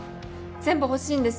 全部欲しいんです。